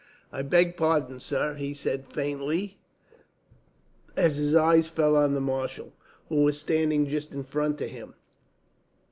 "I beg pardon, sir," he said faintly, as his eyes fell on the marshal, who was standing just in front of him.